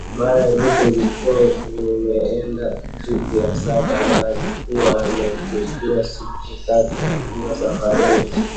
Mara ya mwisho alikuwa ameenda tripu ya saba na alikuwa amechukua siku tatu akiwa safarini